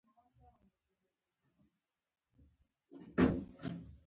چې سبا ته مې معده باید تشه وي، ځکه سهار مې عملیات کېدل.